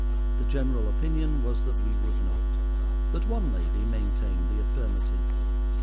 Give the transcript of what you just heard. The general opinion was that we would not, but one lady maintained the affirmative.